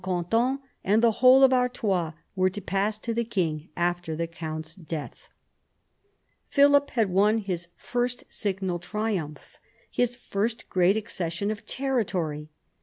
Quentin, and the whole of Artois were to pass to the king after the count's death. Philip had won his first signal triumph, his first great accession of territory.